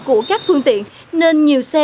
của các phương tiện